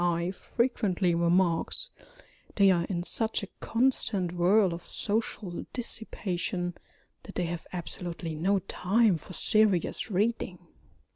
I. frequently remarks, they are in such a constant whirl of social dissipation that they have absolutely no time for serious reading.